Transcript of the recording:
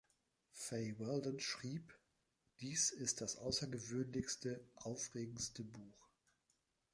Fay Weldon schrieb Dies ist das außergewöhnlichste, aufregendste Buch.